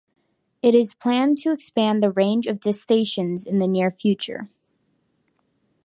It is planned to expand the range of destinations in the near future.